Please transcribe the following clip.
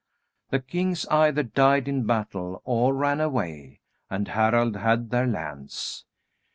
The kings either died in battle or ran away, and Harald had their lands.